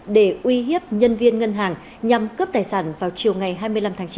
để uy hiếp nhân viên ngân hàng nhằm cướp tài sản vào chiều ngày hai mươi năm tháng chín